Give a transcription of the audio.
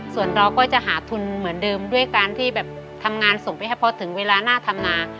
ส่วนเราก็จะหาทุนเหมือนเดิมด้วยการที่แบบทำงานส่งไปให้พอถึงเวลาหน้าธรรมนา